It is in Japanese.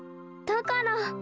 だから。